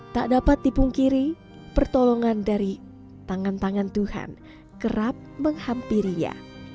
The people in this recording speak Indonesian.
tak dapat dipungkiri pertolongan dari tangan tangan tuhan kerap menghampirinya